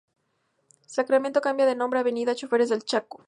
Sacramento cambia de nombre a Avenida Choferes del Chaco.